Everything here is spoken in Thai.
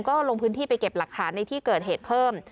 ก็ลงพื้นที่ไปเก็บหลักฐานในที่เกิดเหตุเพิ่ม